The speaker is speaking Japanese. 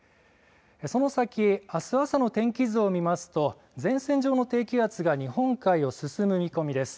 その先あす朝の天気図を見ますと前線上の低気圧が日本海を進む見込みです。